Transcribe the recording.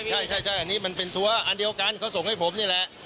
ใช่อันนี้มันเป็นตัวอันเดียวกันเขาส่งให้ผมนี่แหละ